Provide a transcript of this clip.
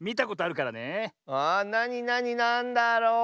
あなになになんだろう？